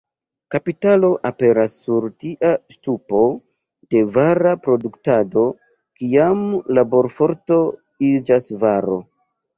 Kapitalo aperas sur tia ŝtupo de vara produktado, kiam laborforto iĝas varo.